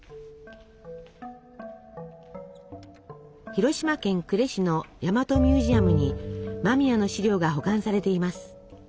広島県呉市の大和ミュージアムに間宮の資料が保管されています。